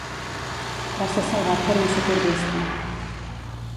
Va ser salvat per un socorrista.